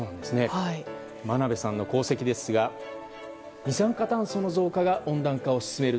真鍋さんの功績ですが二酸化炭素の増加が温暖化を進める。